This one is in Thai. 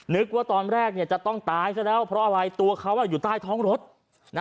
นึกว่าตอนแรกเนี่ยจะต้องตายซะแล้วเพราะอะไรตัวเขาอยู่ใต้ท้องรถนะ